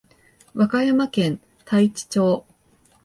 和歌山県太地町